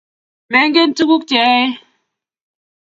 menget tuguk cheyoe